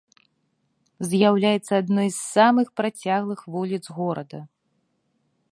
З'яўляецца адной з самых працяглых вуліц горада.